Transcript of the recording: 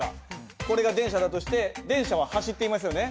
これが電車だとして電車は走っていますよね？